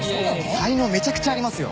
才能めちゃくちゃありますよ。